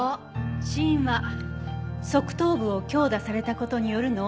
死因は側頭部を強打された事による脳挫傷。